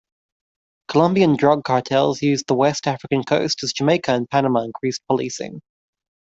Colombian drug cartels used the West African coast as Jamaica and Panama increased policing.